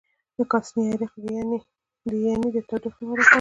د کاسني عرق د ینې د تودوخې لپاره وکاروئ